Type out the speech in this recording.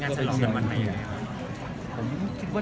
เจอกันตอนไหนพี่หนู